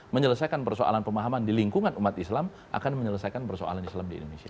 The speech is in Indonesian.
menyelesaikan persoalan pemahaman di lingkungan umat islam akan menyelesaikan persoalan islam di indonesia